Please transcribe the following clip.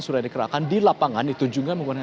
sudah dikerahkan di lapangan itu juga menggunakan